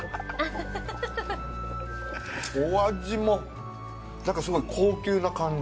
お味もなんかすごい高級な感じ。